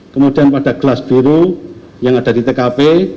kemudian pada gelas biru yang ada di tkp